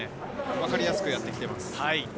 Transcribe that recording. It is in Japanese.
わかりやすくやってきています。